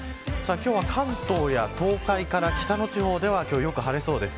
今日は、関東や東海から北の地方では良く晴れそうです。